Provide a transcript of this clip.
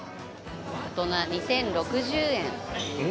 「大人２０６０円」ん？